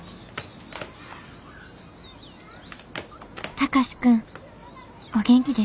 「貴司君お元気ですか。